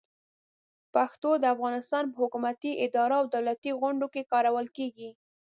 پښتو د افغانستان په حکومتي ادارو او دولتي غونډو کې کارول کېږي.